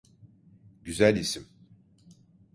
Güzel isim.